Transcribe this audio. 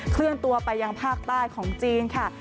เคลื่อนตัวไปยังภาคใต้ของจีนค่ะ